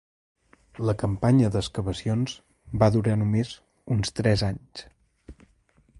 La campanya d'excavacions va durar només uns tres anys.